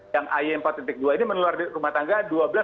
yang ay empat dua ini menular di rumah tangga